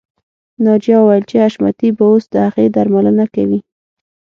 ناجیه وویل چې حشمتي به اوس د هغې درملنه کوي